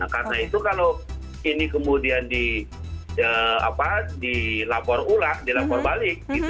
karena itu kalau ini kemudian dilapor ulak dilapor balik